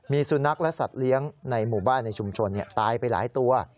มีสุนัขและสัตว์เลี้ยงในหมู่บ้านในชุมชนตายไปหลายตัว